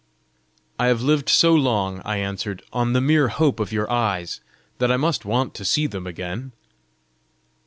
"I have lived so long," I answered, "on the mere hope of your eyes, that I must want to see them again!"